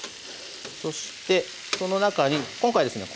そしてその中に今回ですね